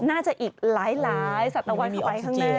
น่าจะอีกหลายสัตวันเข้าไปข้างหน้า